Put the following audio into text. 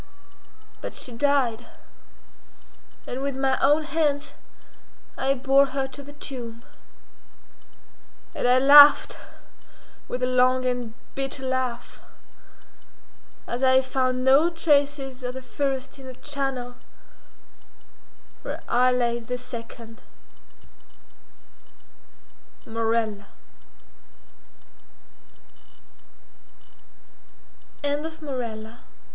But she died; and with my own hands I bore her to the tomb; and I laughed with a long and bitter laugh as I found no traces of the first in the charnel where I laid the second, Morella.